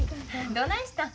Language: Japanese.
どないしたん？